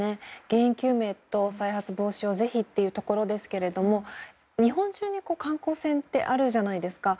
原因究明と再発防止をぜひというところですが日本中に観光船ってあるじゃないですか。